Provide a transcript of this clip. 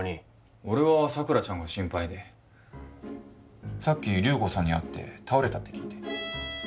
俺は佐倉ちゃんが心配でさっき流子さんに会って倒れたって聞いて